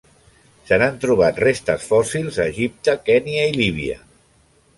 Se n'han trobat restes fòssils a Egipte, Kenya i Líbia.